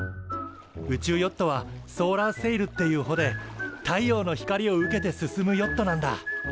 宇宙ヨットはソーラーセイルっていうほで太陽の光を受けて進むヨットなんだ。